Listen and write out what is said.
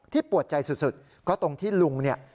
ที่ปวดใจสุดก็ตรงที่ลุง